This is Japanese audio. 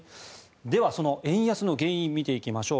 では、その円安の原因を見ていきましょう。